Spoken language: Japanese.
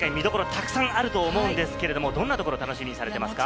たくさんあると思うんですけれども、どんなところ楽しみにされてますか？